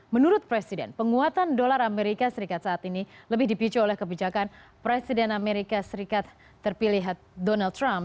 menurut presiden penguatan dolar as saat ini lebih dipicu oleh kebijakan presiden as terpilihat donald trump